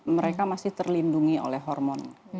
mereka masih terlindungi oleh hormon